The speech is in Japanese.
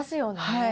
はい。